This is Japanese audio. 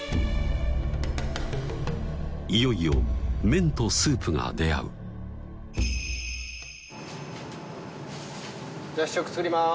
いよいよ麺とスープが出会うじゃ試食作ります